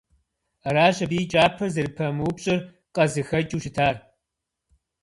Аращ абы и кӀапэр зэрыпамыупщӀыр къызыхэкӀыу щытар.